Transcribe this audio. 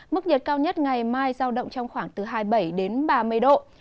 mức nhiệt cao nhất ngày mai giao động trong khoảng từ hai mươi bảy đến ba mươi độ